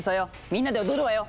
みんなで踊るわよ。